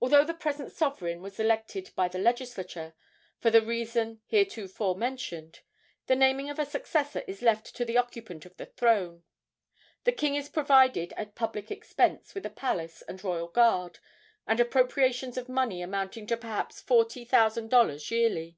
Although the present sovereign was elected by the Legislature, for the reason heretofore mentioned, the naming of a successor is left to the occupant of the throne. The king is provided at public expense with a palace and royal guard, and appropriations of money amounting to perhaps forty thousand dollars yearly.